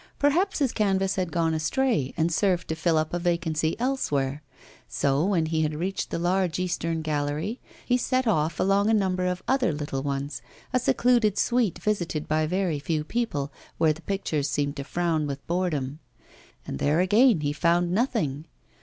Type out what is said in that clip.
Perhaps his canvas had gone astray and served to fill up a vacancy elsewhere. So when he had reached the large eastern gallery, he set off along a number of other little ones, a secluded suite visited by very few people, where the pictures seemed to frown with boredom. And there again he found nothing.